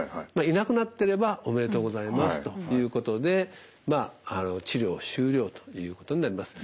いなくなってればおめでとうございますということで治療終了ということになります。